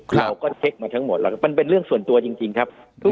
เราก็เช็คมาทั้งหมดแล้วครับมันเป็นเรื่องส่วนตัวจริงครับ